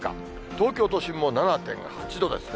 東京都心も７．８度ですね。